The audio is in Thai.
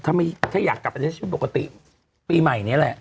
ถ้าอยากกลับไปใช้ชีวิตปกติปีใหม่นี้แหละ